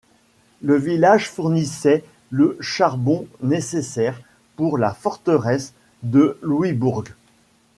Le village fournissait le charbon nécessaire pour la Forteresse de Louisbourg.